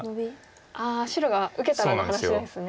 ああ白が受けたらの話ですね。